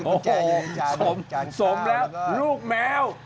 ก็จะมีกุญแจอยู่ในจานข้าวแล้วก็โอ้โฮสมแล้ว